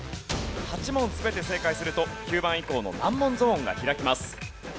８問全て正解すると９番以降の難問ゾーンが開きます。